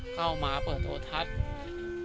เข้ามาเปิดโทรทัศน์